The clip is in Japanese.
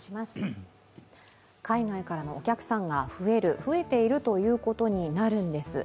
海外からのお客さんが増える、増えているということになるんです。